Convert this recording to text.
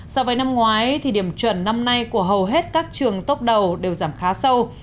so với năm ngoái thì điểm chuẩn năm nay của hầu hết các trường tốc đầu đều giảm khá sâu